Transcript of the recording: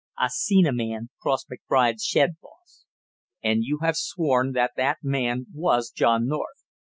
"I seen a man cross McBride's shed, boss." "And you have sworn that that man was John North."